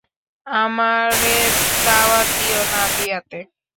আমারে দাওয়াত দিয়ো না বিয়াতে।